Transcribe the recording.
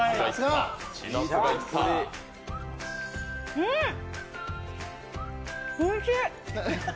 うん、おいしい。